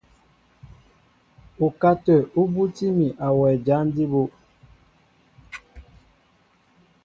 Ukátə̂ ú bútí mi a wɛ jǎn jí bú.